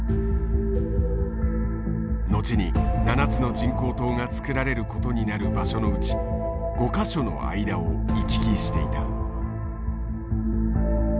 後に７つの人工島が造られることになる場所のうち５か所の間を行き来していた。